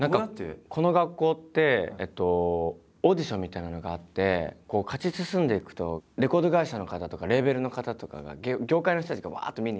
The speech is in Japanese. この学校ってオーディションみたいなのがあって勝ち進んでいくとレコード会社の方とかレーベルの方とかが業界の人たちがわっと見にきて。